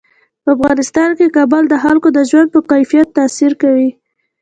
په افغانستان کې کابل د خلکو د ژوند په کیفیت تاثیر کوي.